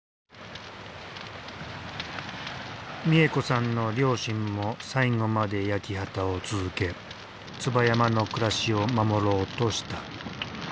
美恵子さんの両親も最後まで焼き畑を続け椿山の暮らしを守ろうとした。